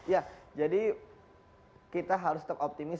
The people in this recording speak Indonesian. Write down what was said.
ya jadi kita harus tetap optimis